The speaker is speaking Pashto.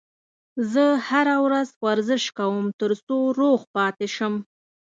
زه هره ورځ ورزش کوم ترڅو روغ پاتې شم